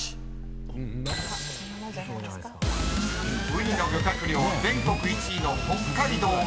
［ウニの漁獲量全国１位の北海道は？］